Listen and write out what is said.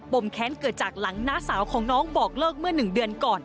มแค้นเกิดจากหลังน้าสาวของน้องบอกเลิกเมื่อ๑เดือนก่อน